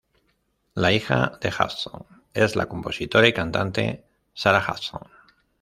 La hija de Hudson es la compositora y cantante Sarah Hudson.